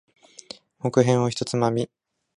木片を一つまみ。